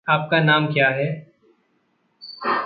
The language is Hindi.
आपका नाम क्या है?